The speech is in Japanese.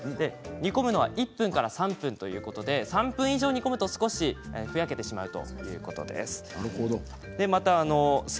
煮込むのは１分から３分ということで３分以上、煮込むと少しふやけてしまうということです。